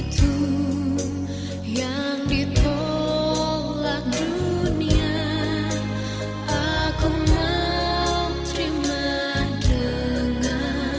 salib itu jadi cintaku